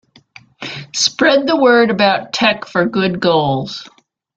Spread the word about tech for good goals.